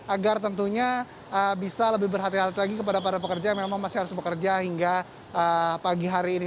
agar tentunya bisa lebih berhati hati lagi kepada para pekerja yang memang masih harus bekerja hingga pagi hari ini